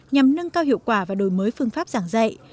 nhằm nâng cao hiệu quả và đổi mới phương pháp giảng dạy